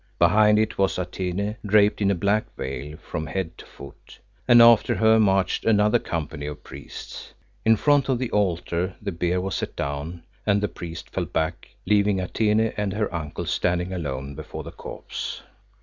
Behind it was Atene, draped in a black veil from head to foot, and after her marched another company of priests. In front of the altar the bier was set down and the priests fell back, leaving Atene and her uncle standing alone before the corpse.